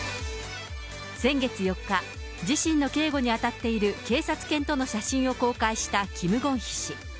先月４日、自身の警護に当たっている警察犬との写真を公開したキム・ゴンヒ氏。